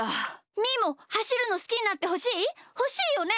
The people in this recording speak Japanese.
みーもはしるのすきになってほしい？ほしいよね！？